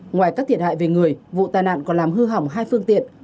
ngoài các thiệt hại về người vụ tai nạn còn làm hư hỏng hai phương tiện